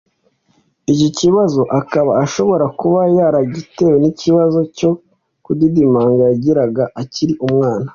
iki kibazo akaba ashobora kuba yaragitewe n’ikibazo cyo kudidimanga yagiraga akiri umwana